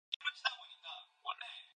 더 이상 버틸 수 없을 것 같습니다